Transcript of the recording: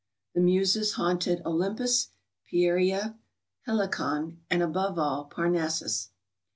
The Muses haunted Olympus, Fieri a. Helicon, and, above all, Parnassus.